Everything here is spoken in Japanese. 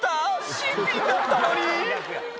「新品だったのに」